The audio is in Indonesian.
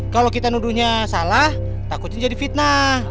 kalau kita nuduhnya salah takutnya jadi fitnah